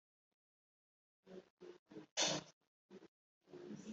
ubutunzi yabumize bunguri kandi azaburuka